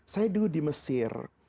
saya dulu di mesir